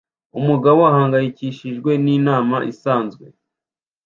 Umugabo ahangayikishijwe ninama isanzwe